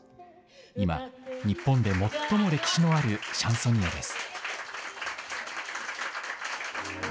今、日本で最も歴史のあるシャンソニエです。